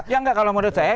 ya enggak kalau menurut saya